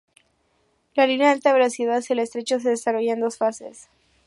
La línea de alta velocidad hacia el Estrecho se desarrolla en dos fases.